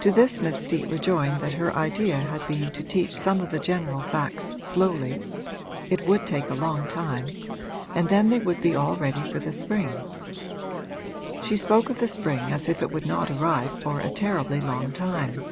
To this Miss Steet rejoined that her idea had been to teach some of the general facts slowly it would take a long time and then they would be all ready for the spring. She spoke of the spring as if it would not arrive for a terribly long time.